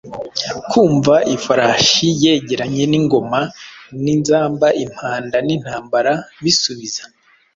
Kumva ifarashi yegeranye n'ingoma n'inzamba impanda n'intambara bisubiza.